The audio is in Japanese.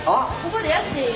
ここでやっていい？